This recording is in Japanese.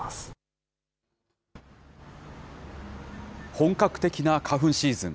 本格的な花粉シーズン。